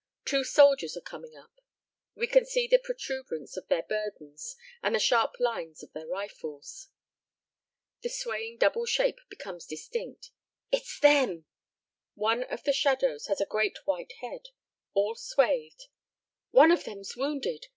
Two soldiers are coming up. We can see the protuberance of their burdens and the sharp lines of their rifles. The swaying double shape becomes distinct "It's them!" One of the shadows has a great white head, all swathed "One of them's wounded!